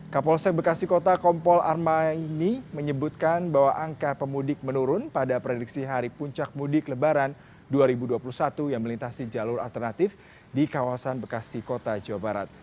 kapolsek bekasi kota kompol arma ini menyebutkan bahwa angka pemudik menurun pada prediksi hari puncak mudik lebaran dua ribu dua puluh satu yang melintasi jalur alternatif di kawasan bekasi kota jawa barat